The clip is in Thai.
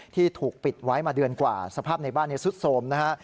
ที่ถูกปิดไว้มาเดือนกว่าสภาพในบ้านซุดโทรมนะฮะ